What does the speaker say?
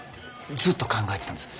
ずっと考えてたんです。